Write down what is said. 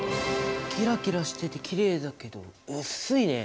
キラキラしててきれいだけど薄いね！